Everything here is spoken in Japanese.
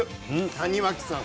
谷脇さん